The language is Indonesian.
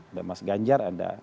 ada mas ganjar ada